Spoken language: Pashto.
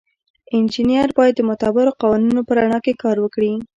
انجینر باید د معتبرو قوانینو په رڼا کې کار وکړي.